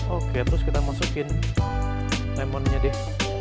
oke terus kita masukin lemonnya deh